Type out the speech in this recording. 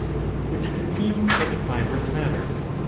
which contain such fibrous matter.